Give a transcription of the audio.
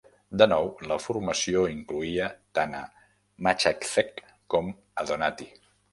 De nou, la formació incloïa tant a Machacek com a Donati.